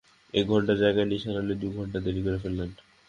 এক ঘন্টার জায়গায় নিসার আলি দু ঘন্টা দেরি করে ফেললেন!